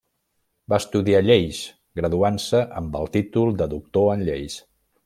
Va estudiar lleis, graduant-se amb el títol de Doctor en Lleis.